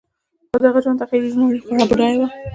خو د هغه د ژوند تخیلي نړۍ خورا بډایه وه